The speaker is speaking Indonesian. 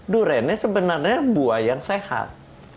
duriannya sebenarnya buah yang sehat